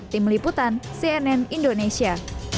tim liputan cnn indonesia